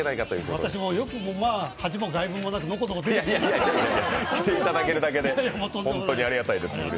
私もよく恥も外聞もなくノコノコと出たなと来ていただけるだけで本当にありがたいです。